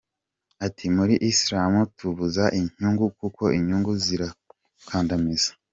Ati “Muri Islam tubuza inyungu, kuko inyungu zirakandamiza.